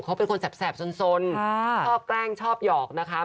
เขาเป็นคนแสบสนชอบแกล้งชอบหยอกนะคะ